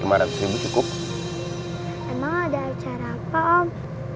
emang ada acara apa om